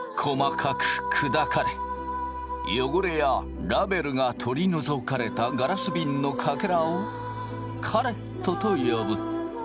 細かく砕かれ汚れやラベルが取り除かれたガラスびんのかけらをカレットと呼ぶ。